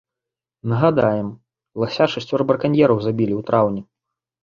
Нагадаем, лася шасцёра браканьераў забілі ў траўні.